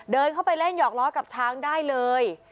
เดินเข้าไปเล่นหยอกล้อกับช้างได้เลย